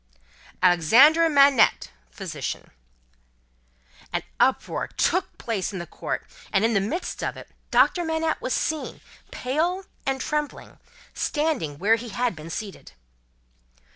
"Alexandre Manette, physician." A great uproar took place in the court, and in the midst of it, Doctor Manette was seen, pale and trembling, standing where he had been seated.